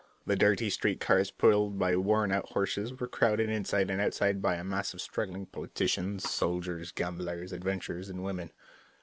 The dirty street cars, pulled by worn out horses, were crowded inside and outside by a mass of struggling politicians, soldiers, gamblers, adventurers, and women.